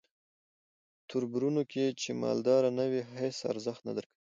توربرونو کې چې مالداره نه وې هیس ارزښت نه درکوي.